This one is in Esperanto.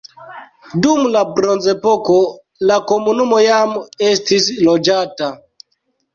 Dum la bronzepoko la komunumo jam estis loĝata.